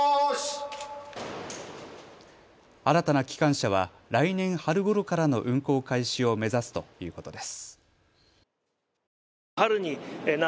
新たな機関車は来年春ごろからの運行開始を目指すということです。